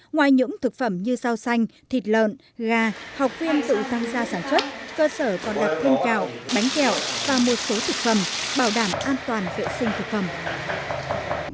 ngoài những thực phẩm như rau xanh thịt lợn gà học viên tự tăng gia sản xuất cơ sở còn đặt thêm gạo bánh kẹo và một số thực phẩm bảo đảm an toàn vệ sinh thực phẩm